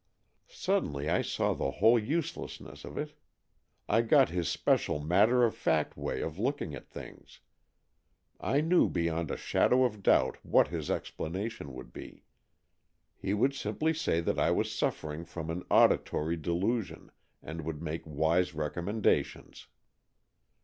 Suddenly I saw the whole uselessness of it. I got his special matter of fact way of looking at things. I knew beyond a shadow of doubt what his explanation would be. He would simply say that I was suffering from an auditory delusion, and would make wise recommendations.